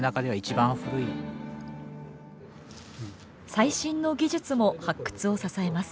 最新の技術も発掘を支えます。